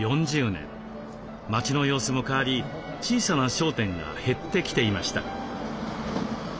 町の様子も変わり小さな商店が減ってきていました。